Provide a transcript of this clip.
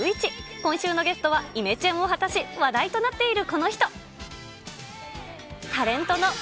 今週のゲストは、イメチェンを果たし、話題となっているこの人。